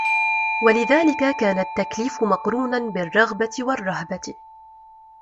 وَلِذَلِكَ كَانَ التَّكْلِيفُ مَقْرُونًا بِالرَّغْبَةِ وَالرَّهْبَةِ